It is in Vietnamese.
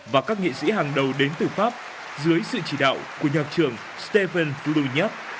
và các nghị sĩ hàng đầu đến từ pháp dưới sự chỉ đạo của nhạc trưởng stephen flounev